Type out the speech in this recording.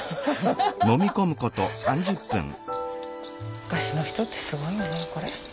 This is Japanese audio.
昔の人ってすごいよね。